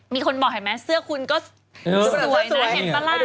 มีคนบอกเห็นมั้ยเสื้อคุณก็สวยนะเห็นประหลาด